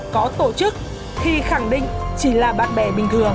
có tổ chức thì khẳng định chỉ là bạn bè bình thường